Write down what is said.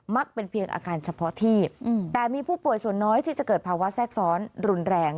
เป็นเพียงอาคารเฉพาะที่แต่มีผู้ป่วยส่วนน้อยที่จะเกิดภาวะแทรกซ้อนรุนแรง